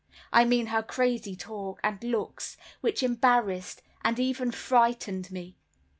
I mean her crazy talk and looks, which embarrassed, and even frightened me.